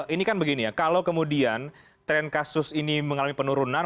ini kan begini ya kalau kemudian tren kasus ini mengalami penurunan